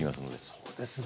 そうですね。